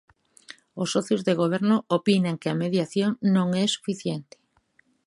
Os socios de goberno opinan que a mediación non é suficiente.